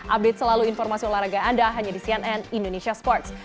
update selalu informasi olahraga anda hanya di cnn indonesia sports